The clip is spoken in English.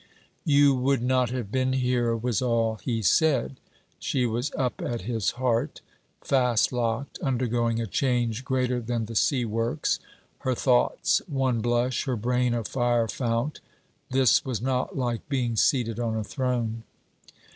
'You would not have been here!' was all he said. She was up at his heart, fast locked, undergoing a change greater than the sea works; her thoughts one blush, her brain a fire fount. This was not like being seated on a throne.